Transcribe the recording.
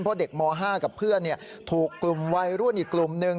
เพราะเด็กม๕กับเพื่อนถูกกลุ่มวัยรุ่นอีกกลุ่มหนึ่ง